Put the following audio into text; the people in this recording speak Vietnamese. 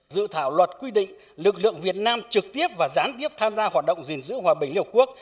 dự thảo luật quy định lực lượng việt nam trực tiếp và gián tiếp tham gia hoạt động gìn giữ hòa bình liên hợp quốc